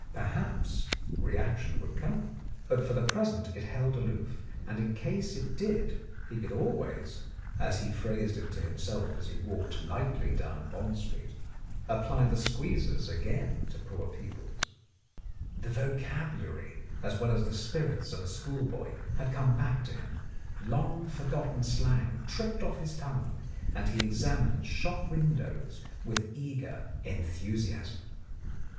Perhaps reaction would come, but for the present it held aloof, and in case it did he could always, as he phrased it to himself as he walked lightly down Bond Street, apply the squeezers again to poor Peebles. The vocabulary' as well as the spirits of a schoolboy had come back to him ; long forgotten slang tripped off his tongue, and he examined shop windows with eager en 53 The Blackmailer of Park Lane thusiasm.